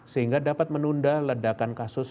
sehingga dapat menunda ledakan kasus